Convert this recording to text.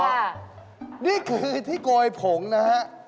นี่คือที่โกยผงนะฮะ